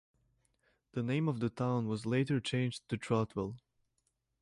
The name of the town was later changed to Troutville.